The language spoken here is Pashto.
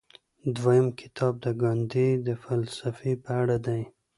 دویم کتاب د ګاندي د فلسفې په اړه دی.